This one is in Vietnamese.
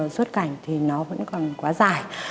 xuất cảnh thì nó vẫn còn quá dài